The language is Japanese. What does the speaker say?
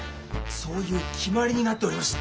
そういう決まりになっておりまして。